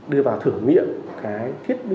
đưa vào thử nghiệm cái thiết bị